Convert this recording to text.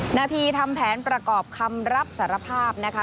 นาทีทำแผนประกอบคำรับสารภาพนะคะ